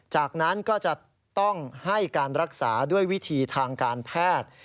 จากนั้นก็จะต้องให้การรักษาด้วยวิธีทางการแพทย์